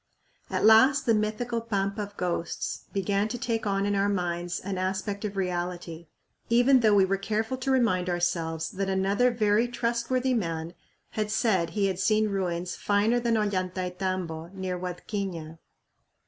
At last the mythical "Pampa of Ghosts" began to take on in our minds an aspect of reality, even though we were careful to remind ourselves that another very trustworthy man had said he had seen ruins "finer than Ollantaytambo" near Huadquiña.